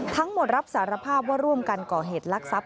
ทั้งหมดรับสารภาพว่าร่วมกันก่อเหตุลักษณ์ทรัพย์